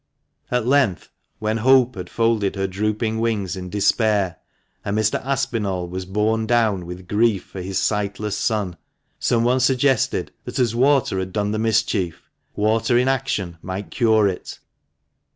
At length, when Hope had folded her drooping wings in despair, and Mr. Aspinall was borne down with grief for his sightless son, someone suggested that, as water had done the mischief, water in action might cure it.